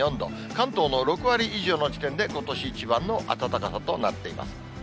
関東の６割以上の地点で、ことし一番の暖かさとなっています。